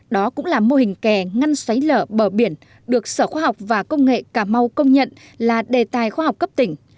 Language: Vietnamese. đó cũng là mô hình kè ngăn xoáy lỡ bờ biển được sở khoa học và công nghệ cà mau công nhận là đề tài khoa học cấp tỉnh